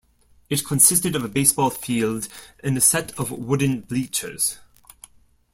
It consisted of a baseball field and a set of wooden bleachers.